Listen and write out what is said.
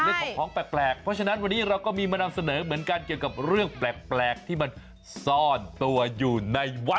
เรื่องของของแปลกเพราะฉะนั้นวันนี้เราก็มีมานำเสนอเหมือนกันเกี่ยวกับเรื่องแปลกที่มันซ่อนตัวอยู่ในวัด